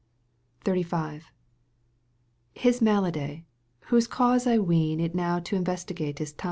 XXXV. His malady, whose cause I ween It now to investigate is time.